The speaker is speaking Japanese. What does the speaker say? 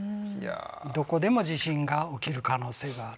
どこでも地震が起きる可能性がある。